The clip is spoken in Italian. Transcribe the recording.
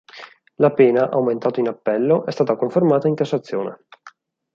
La pena, aumentata in appello, è stata confermata in Cassazione.